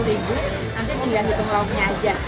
nanti tinggal hitung lauknya aja